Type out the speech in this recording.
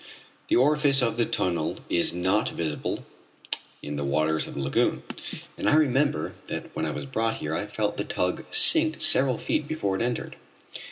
The orifice of the tunnel is not visible in the waters of the lagoon, and I remember that when I was brought here I felt the tug sink several feet before it entered.